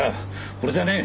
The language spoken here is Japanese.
俺じゃねえ！